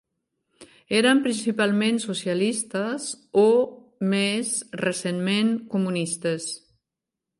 Eren principalment socialistes, o més recentment comunistes.